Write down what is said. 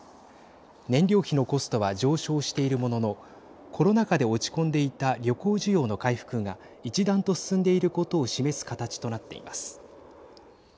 燃料費のコストは上昇しているもののコロナ禍で落ち込んでいた旅行需要の回復が一段と進んでいることを示す形となっています。